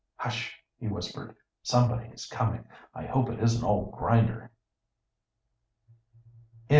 "Hush!" he whispered. "Somebody is coming! I hope it isn't old Grinder!" CHAPTER IV.